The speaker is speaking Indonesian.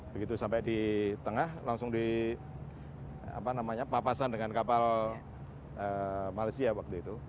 begitu sampai di tengah langsung di apa namanya papasan dengan kapal malaysia waktu itu